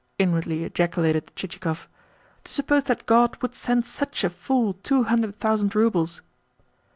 inwardly ejaculated Chichikov. "To suppose that God would send such a fool two hundred thousand roubles!"